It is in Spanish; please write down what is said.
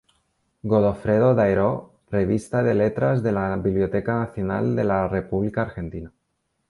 Godofredo Daireaux, Revista de Letras de la Biblioteca Nacional de la República Argentina.